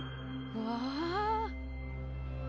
うわ。